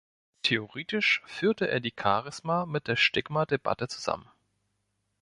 Theoretisch führte er die Charisma- mit der Stigma-Debatte zusammen.